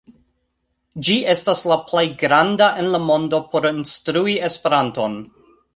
Ĝi estas la plej granda en la mondo por instrui Esperanton.